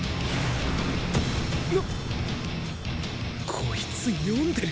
こいつ読んでる！